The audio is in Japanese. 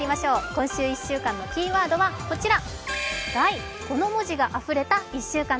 今週１週間のキーワードはこちら。